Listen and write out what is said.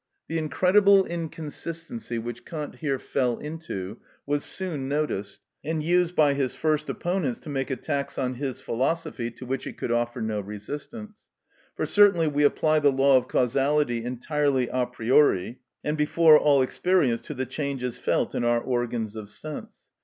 The incredible inconsistency which Kant here fell into was soon noticed, and used by his first opponents to make attacks on his philosophy to which it could offer no resistance. For certainly we apply the law of causality entirely a priori and before all experience to the changes felt in our organs of sense.